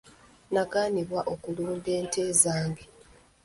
Nagaanibwa okulunda ente zange.